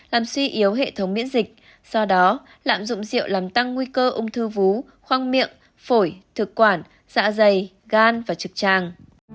làm suy yếu hệ thống miễn dịch do đó lạm dụng rượu làm tăng nguy cơ ung thư vú khoang miệng phổi thực quản dạ dày gan và trực tràng